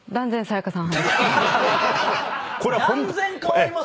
断然変わります